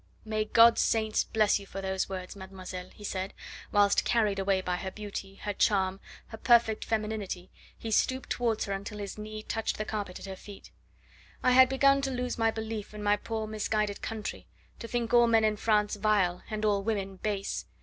"May God's saints bless you for those words, mademoiselle," he said, whilst, carried away by her beauty, her charm, her perfect femininity, he stooped towards her until his knee touched the carpet at her feet. "I had begun to lose my belief in my poor misguided country, to think all men in France vile, and all women base.